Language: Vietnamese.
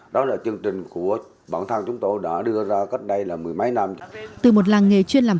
đó là chương trình của bản thân chúng tôi đã đưa ra cách đây là mười mấy năm